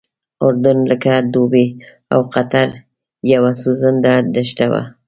اردن لکه دوبۍ او قطر یوه سوځنده دښته وه.